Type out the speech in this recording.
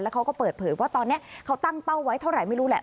เขาก็เปิดเผยว่าตอนนี้เขาตั้งเป้าไว้เท่าไหร่ไม่รู้แหละ